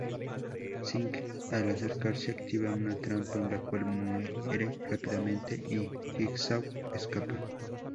Sing al acercarse, activa una trampa, en la cual muere rápidamente y Jigsaw escapa.